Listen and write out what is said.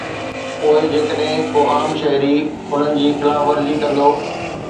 پوءِ جيڪڏهن ڪو عام شهري انهن جي خلاف ورزي ڪندو.